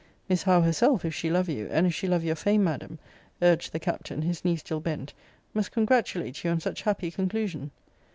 Miss Howe herself, if she love you, and if she love your fame, Madam, urged the Captain, his knee still bent, must congratulate you on such happy conclusion.